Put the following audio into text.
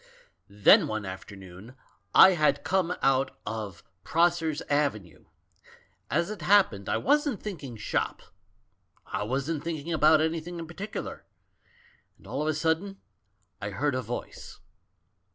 "Then one afternoon I had come out of Pross ers' Avenue. As it happened I wasn't thinking shop; I wasn't thinking about anything in par ticular; and all of a sudden I heard a voice.